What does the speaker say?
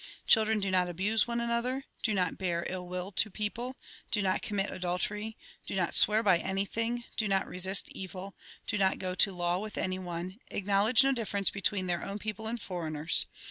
Children do not abuse one another, do not bear ill will to people, do not commit adultery, do not swear by anything, do not resist evil, do not go to law with anyone, acknowledge no difference between their own people and foreigners.